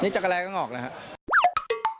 นี่จักรแรงงอกนะครับ